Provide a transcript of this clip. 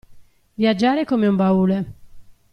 Viaggiare come un baule.